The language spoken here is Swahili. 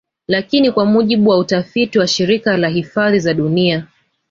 Lakini kwa mujibu wa utafiti wa Shirika la hifadhi za dunia